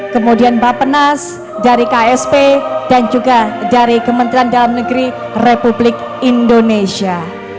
kemudian bapak penas dari ksp dan juga dari kementerian dalam negeri republik indonesia